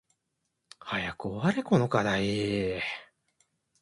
早く終われこの課題